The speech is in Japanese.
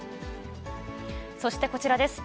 そしてこちらです。